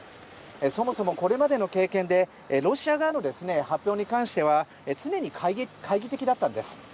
そもそも、これまでの経験でロシア側の発表に関しては常に懐疑的だったんです。